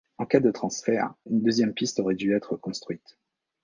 En cas de transfert, une deuxième piste aurait dû être construite.